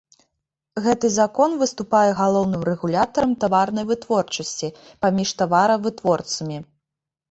Гэты закон выступае галоўным рэгулятарам таварнай вытворчасці, паміж таваравытворцамі.